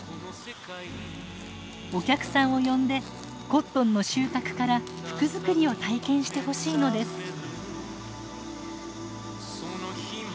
お客さんを呼んでコットンの収穫から服作りを体験してほしいのです。